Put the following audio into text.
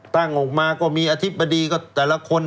ตั้งออกมาก็มีอธิบดีก็แต่ละคน